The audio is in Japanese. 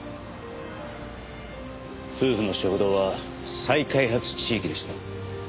夫婦の食堂は再開発地域でした。